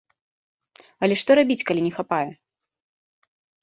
Але што рабіць, калі не хапае?